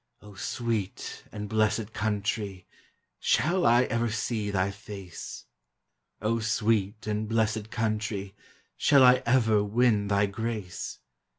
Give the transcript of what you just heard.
O sweet and blessed Country, Shall I ever see thy face? sweet and blessed Country, Shall I ever win thy "race?